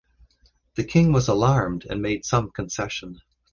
The king was alarmed and made some concession.